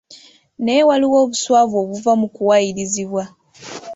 Naye waliwo obuswavu obuva mu kuwayirizibwa